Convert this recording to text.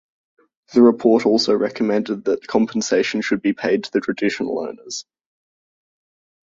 The report also recommended that compensation should be paid to the traditional owners.